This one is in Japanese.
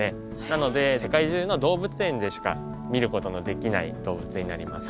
なので世界中の動物園でしか見ることのできない動物になります。